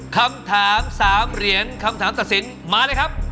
คำถาม๓เหรียญคำถามตัดสินมาเลยครับ